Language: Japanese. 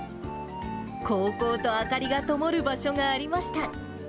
こうこうと明かりがともる場所がありました。